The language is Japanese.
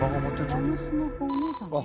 あのスマホお姉さんの？